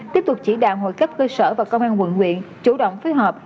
tiếp tục chỉ đạo hội cấp cơ sở và công an quận quyện chủ động phối hợp